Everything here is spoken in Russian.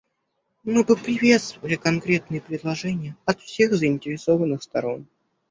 Мы бы приветствовали конкретные предложения от всех заинтересованных сторон.